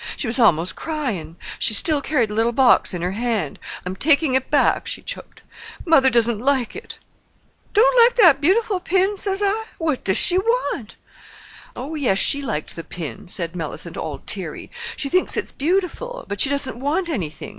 She was almost crying. She still carried the little box in her hand. 'I'm takin' it back,' she choked. 'Mother doesn't like it.' 'Don't like that beautiful pin!' says I. 'What does she want?' "'Oh, yes, she liked the pin,' said Mellicent, all teary; 'she thinks it's beautiful. But she doesn't want anything.